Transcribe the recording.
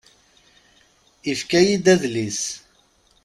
Ifka-yi-d adlis.